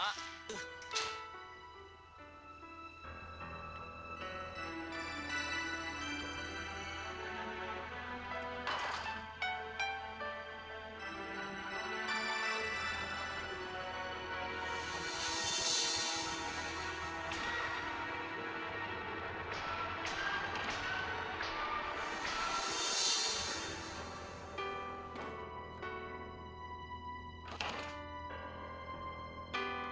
aduh ini udah kaget